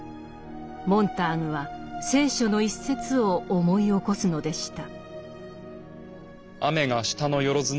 モンターグは聖書の一節を思い起こすのでした。